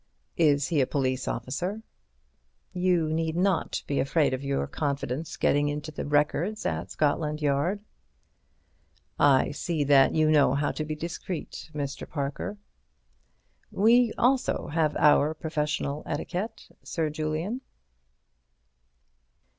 "Is he a police officer?" "You need not be afraid of your confidence getting into the records at Scotland Yard." "I see that you know how to be discreet, Mr. Parker." "We also have our professional etiquette, Sir Julian."